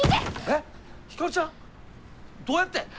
えヒカルちゃん？どうやって！？